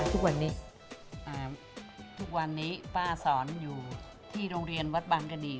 ทุกวันนี้ทุกวันนี้ป้าสอนอยู่ที่โรงเรียนวัดบางกระดี